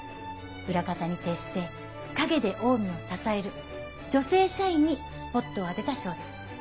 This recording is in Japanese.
裏方に徹して陰でオウミを支える女性社員にスポットを当てた賞です。